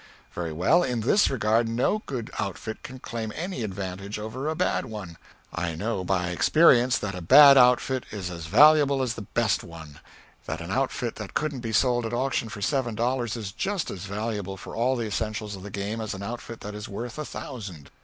Very well, in this regard no good outfit can claim any advantage over a bad one. I know, by experience, that a bad outfit is as valuable as the best one; that an outfit that couldn't be sold at auction for seven dollars is just as valuable for all the essentials of the game as an outfit that is worth a thousand.